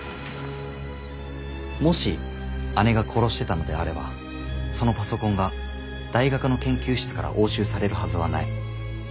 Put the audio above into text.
もし姉が殺してたのであればそのパソコンが大学の研究室から押収されるはずはない。